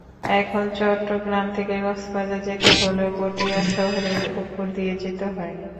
এখন চট্টগ্রাম থেকে কক্সবাজার যেতে হলে পটিয়া শহরের ওপর দিয়ে যেতে হয়।